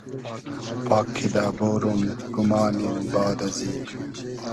پاک کیدہ بۉروم گومانیم باد ازی